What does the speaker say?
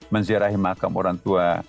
menziarahi makam orang tua